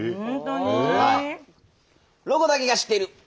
「ロコだけが知っている」。